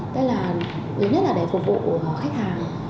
tức là thứ nhất là để phục vụ khách hàng